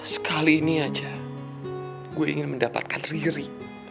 sekali ini aja gue ingin mendapatkan riri